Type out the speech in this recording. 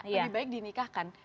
lebih baik dinikahkan